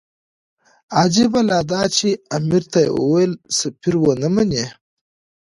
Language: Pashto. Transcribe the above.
عجیبه لا دا چې امیر ته یې وویل سفیر ونه مني.